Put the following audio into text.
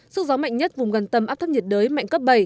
sức gió mạnh nhất vùng gần tâm áp thấp nhiệt đới mạnh cấp bảy